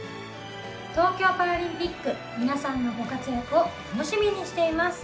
東京パラリンピック皆さんのご活躍を楽しみにしています。